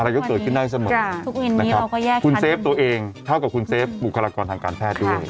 อะไรก็เกิดขึ้นได้เสมอทุกวินนี้คุณเซฟตัวเองเท่ากับคุณเซฟบุคลากรทางการแพทย์ด้วย